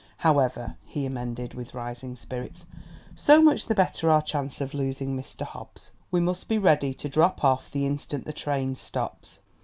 "However," he amended, with rising spirits, "so much the better our chance of losing Mr. Hobbs. We must be ready to drop off the instant the train stops."